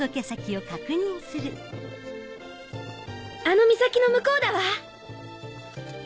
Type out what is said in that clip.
あの岬の向こうだわ。